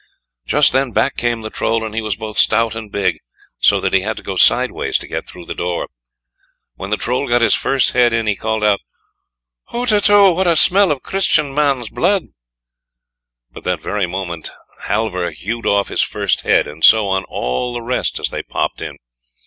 Just then back came the Troll, and he was both stout and big, so that he had to go sideways to get through the door. When the Troll got his first head in he called out: "HUTETU, what a smell of Christian man's blood!" But that very moment Halvor hewed off his first head, and so on all the rest as they popped in.